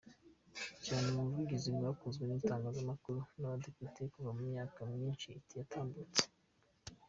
Cyane ubu buvugizi bwakozwe n’ itangazamakuru n’ abadepite kuva mu myaka myinshi yatambutse.